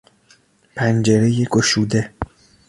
پنجرهی گشوده